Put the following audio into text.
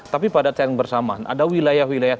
tapi pada saat bersama ada wilayah wilayah